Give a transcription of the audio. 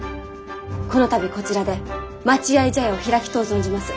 この度こちらで待合茶屋を開きとう存じます。